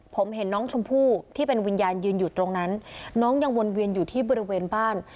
ผมเห็นน้องชมพู่ที่เป็นวิญญาณยืนอยู่ตรงนั้นน้องยังวนเวียนอยู่ที่บริเวณบ้าน